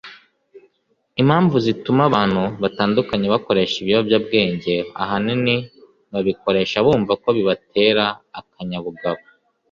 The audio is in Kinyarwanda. Impamvu zituma abantu batandukanye bakoresha ibiyobyabwenge ahanini babikoresha bumva ko bibatera akanyabugabo